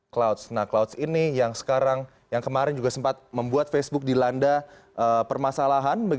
clouds ini yang kemarin juga sempat membuat facebook dilanda permasalahan